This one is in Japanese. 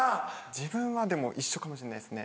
自分はでも一緒かもしれないですね。